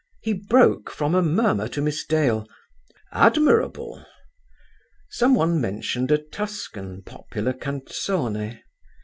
He broke from a murmur to Miss Dale, "Admirable." Some one mentioned a Tuscan popular canzone.